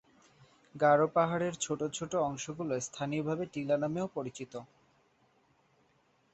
গারো পাহাড়ের ছোট ছোট অংশগুলো স্থানীয়ভাবে টিলা নামেও পরিচিত।